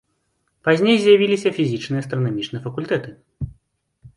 Пазней з'явіліся фізічны і астранамічны факультэты.